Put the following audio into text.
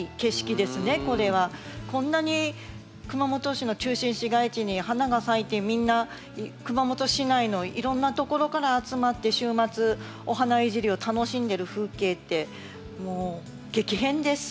こんなに熊本市の中心市街地に花が咲いてみんな熊本市内のいろんなところから集まって週末お花いじりを楽しんでる風景ってもう激変です。